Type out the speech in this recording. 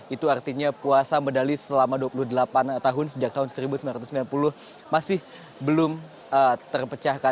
itu artinya puasa medali selama dua puluh delapan tahun sejak tahun seribu sembilan ratus sembilan puluh masih belum terpecahkan